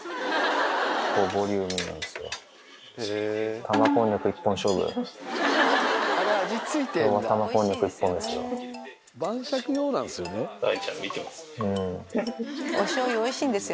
ボリューミーなんですよ。